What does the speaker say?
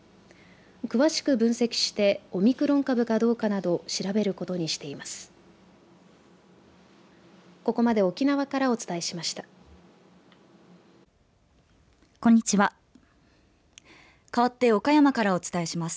詳しく分析してオミクロン株かどうかなど調べることにしています。